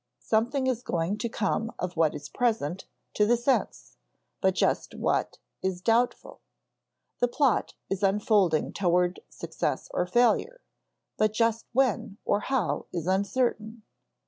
Something is going to come of what is present to the sense, but just what is doubtful. The plot is unfolding toward success or failure, but just when or how is uncertain.